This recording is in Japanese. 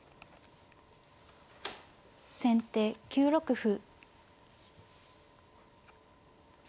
先手９六歩。